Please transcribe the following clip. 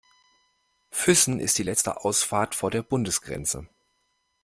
Füssen ist die letzte Abfahrt vor der Bundesgrenze.